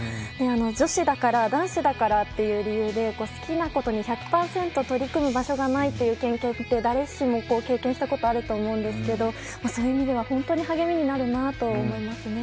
女子だから男子だからっていう理由で好きなことに１００％取り組む場所がない環境は誰しも経験したことあると思うんですがそういう意味では本当に励みになると思いますね。